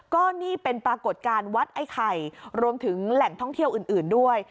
ก็นี่เป็นปรากฏการณ์วัดไอ้ไข่รวมถึงแหล่งท่องเที่ยวอื่นด้วย